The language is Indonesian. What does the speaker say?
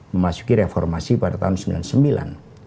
memasuki reformasi pada tahun seribu sembilan ratus sembilan puluh sembilan